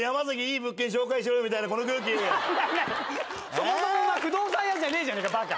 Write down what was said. そもそもお前不動産屋じゃねえじゃねえかバカ。